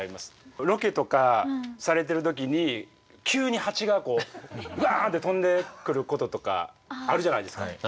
ロケとかされてるときに急にハチがこううわって飛んでくることとかあるじゃないですか。